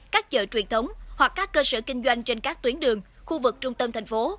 các chợ truyền thống hoặc các cơ sở kinh doanh trên các tuyến đường khu vực trung tâm thành phố